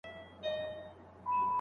اوښکې دې توی کړلې ډېوې، راته راوبهيدې